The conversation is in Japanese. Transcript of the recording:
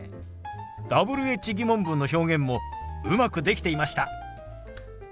Ｗｈ−疑問文の表現もうまくできていました。